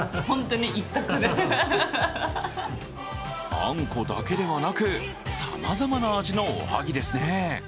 あんこだけではなく、さまざまな味のおはぎですね。